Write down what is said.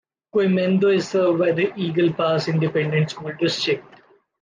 Quemado is served by the Eagle Pass Independent School District.